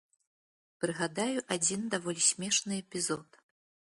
Прыгадаю адзін даволі смешны эпізод.